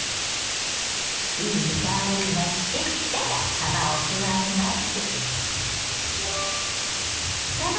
いい香りがしてきたらさばを加えます。